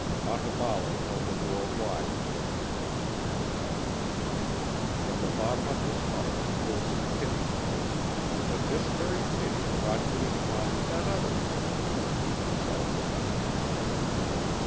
Otaballo held the door wide for her and she passed out. From the bottom of his heart Wilson pitied her, but this very pity brought to his mind that other woman whom he himself had left behind.